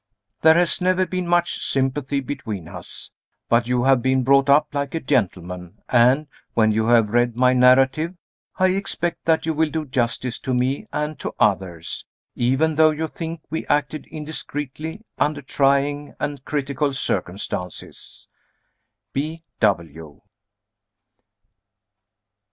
There has never been much sympathy between us. But you have been brought up like a gentleman and, when you have read my narrative, I expect that you will do justice to me, and to others even though you think we acted indiscreetly under trying and critical circumstances.